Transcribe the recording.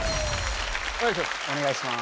お願いします